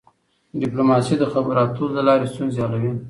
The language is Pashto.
ډيپلوماسي د خبرو اترو له لارې ستونزې حلوي.